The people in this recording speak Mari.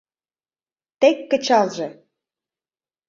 Тек кычалже.